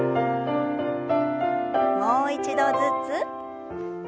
もう一度ずつ。